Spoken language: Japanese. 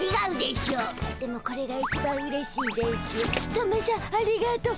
トメしゃんありがとう。